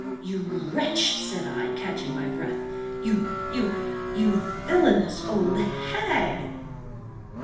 "You wretch!" said I, catching my breath—"you—you—you villainous old hag!"